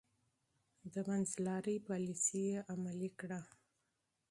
د منځلارۍ پاليسي يې عملي کړه.